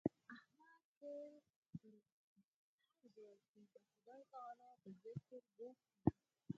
احمد تل او په هر ځای کې د خدای تعالی په ذکر بوخت وي.